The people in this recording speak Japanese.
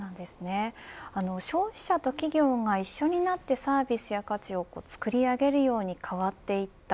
消費者と企業が一緒になってサービスや価値を作り上げるように変わっていった